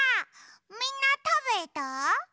みんなたべた？